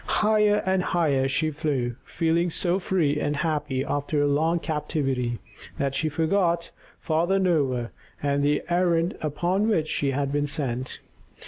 Higher and higher she flew, feeling so free and happy after her long captivity, that she quite forgot Father Noah and the errand upon which she had been sent.